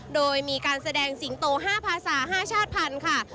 โดยมีการแสดงสิงโต๕ภาษา๕ชาติพันธุ์ค่ะ